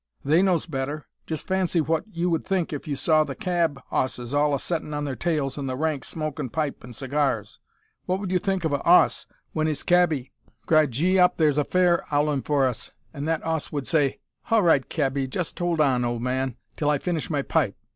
They knows better. Just fancy! what would you think if you saw the cab 'osses all a settin' on their tails in the rank smokin' pipes an' cigars! What would you think of a 'oss w'en 'is cabby cried, "Gee up, there's a fare a 'owlin' for us," an' that 'oss would say, "Hall right, cabby, just 'old on, hold man, till I finish my pipe"?